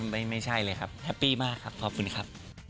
ไม่ใช่เลยครับแฮปปี้มากครับขอบคุณครับ